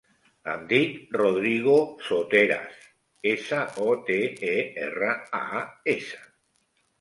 Em dic Rodrigo Soteras: essa, o, te, e, erra, a, essa.